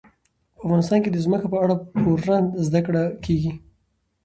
په افغانستان کې د ځمکه په اړه پوره زده کړه کېږي.